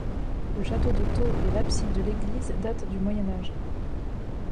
Le château de Thau et l'abside de l'église datent du Moyen Âge.